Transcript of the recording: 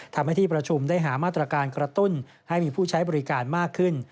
ทำให้ที่ประชุมได้หามาตรการกระตุ้นให้มีผู้ใช้บริการมากขึ้น